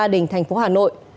đình thành phố hà nội